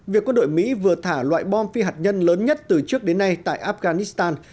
việc quân đội mỹ vừa thả loại bom phi hạt nhân lớn nhất từ trước đến nay tại afghanistan